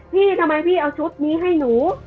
พี่ทำไมพี่เอาชุดนี้ให้หนู